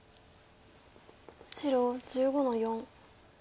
白１５の四。